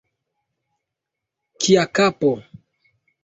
Kia kapo!